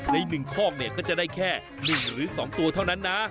ใน๑ข้อก็จะได้แค่๑หรือ๒ตัวเท่านั้นนะ